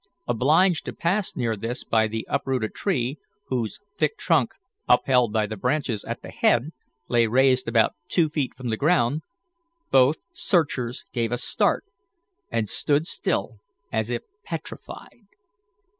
Obliged to pass near this by the uprooted tree whose thick trunk, upheld by the branches at the head, lay raised about two feet from the ground both searchers gave a start, and stood still as if petrified.